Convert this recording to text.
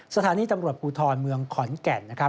สถานีตำรวจภูทรเมืองขอนแก่นนะครับ